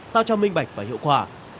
sao cho minh bạch và hiệu quả